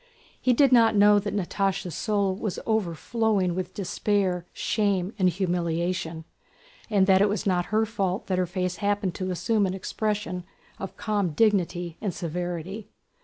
He did not know that Natásha's soul was overflowing with despair, shame, and humiliation, and that it was not her fault that her face happened to assume an expression of calm dignity and severity.